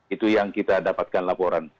itu yang kita dapatkan laporan